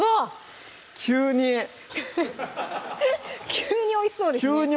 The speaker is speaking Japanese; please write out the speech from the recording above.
急に急においしそうですね